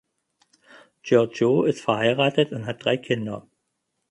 Georgiou ist verheiratet und hat drei Kinder.